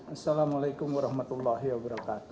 assalamualaikum wr wb